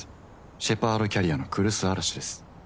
シェパードキャリアの来栖嵐です。